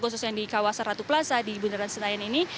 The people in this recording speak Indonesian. khususnya di kawasan ratu plaza di bundaran senayan ini